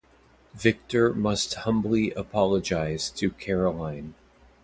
Victor must humbly apologize to Caroline.